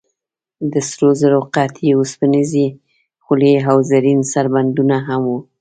د سرو زرو قطعې، اوسپنیزې خولۍ او زرین سربندونه هم و.